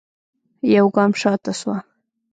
يوګام شاته سوه.